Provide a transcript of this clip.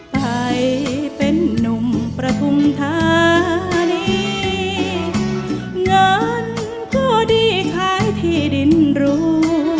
ไทยเป็นนุ่มประทุมธานีเงินก็ดีขายที่ดินรู้